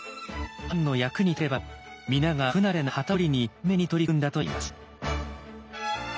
藩の役に立てればと皆が不慣れな機織りに懸命に取り組んだといいます。